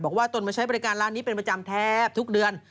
ตนมาใช้บริการร้านนี้เป็นประจำแทบทุกเดือน